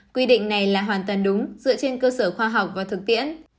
quy định này là hoàn toàn đúng dựa trên cơ sở khoa học và thực tiễn